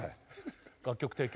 楽曲提供